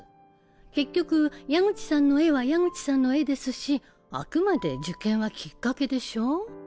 結局矢口さんの絵は矢口さんの絵ですしあくまで受験はきっかけでしょう？